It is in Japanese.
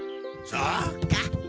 そうか。